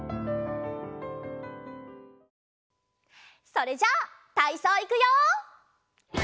それじゃたいそういくよ！